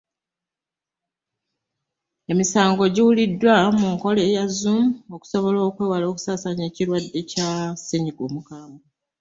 Emisango giwuliddwa mu nkola eya ‘Zoom’ okusobola okwewala okusaasaanya kw’ekirwadde kya Ssennyiga omukambwe.